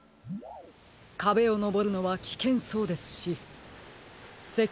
かべをのぼるのはきけんそうですしせっ